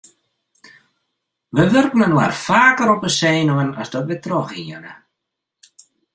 Wy wurken inoar faker op 'e senuwen as dat wy trochhiene.